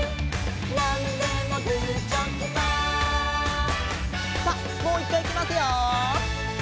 「なんでもグーチョキパー」さあもういっかいいきますよ！